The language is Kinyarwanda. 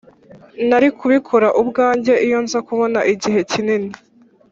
nari kubikora ubwanjye iyo nza kubona igihe kinini.